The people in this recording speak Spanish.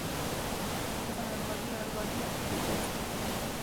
Está enterrado en la Abadía de Westminster.